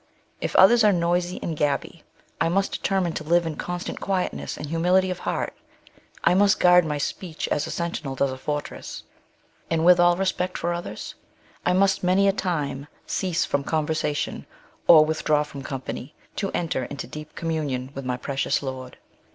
If others are noisy and gabby, I must determine to live in constant quietness and humility of heart ; I must guard my speech as a sentinel does a fortress, and with all respect for others, SORROW FOR vSlN. 59 I must iiiauy a time cease from conversatiou or with draw from company to enter into deep communion with my precious Lord.